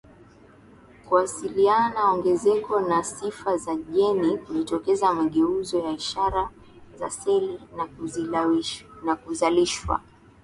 kuwasiliana ongezeko la sifa za jeni kujitokeza mageuzo ya ishara za seli na kuzalishwa